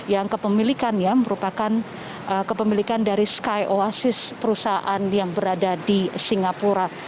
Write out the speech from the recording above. yang kepemilikannya merupakan kepemilikan dari sky oasis perusahaan yang berada di singapura